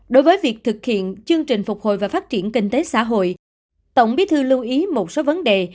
đối với việc thực hiện chương trình phục hồi và phát triển kinh tế xã hội tổng bí thư lưu ý một số vấn đề